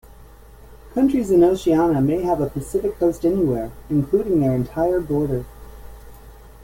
Countries in Oceania may have a Pacific coast anywhere, including their entire border.